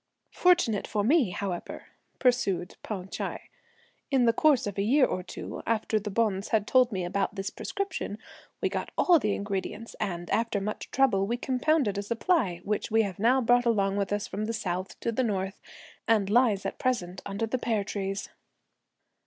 "Fortunate for me, however," pursued Pao Ch'ai, "in the course of a year or two, after the bonze had told me about this prescription, we got all the ingredients; and, after much trouble, we compounded a supply, which we have now brought along with us from the south to the north; and lies at present under the pear trees."